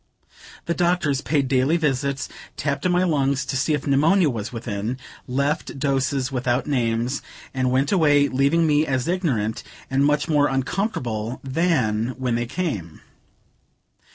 The doctors paid daily visits, tapped at my lungs to see if pneumonia was within, left doses without names, and went away, leaving me as ignorant, and much more uncomfortable than when they came.